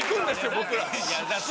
僕ら。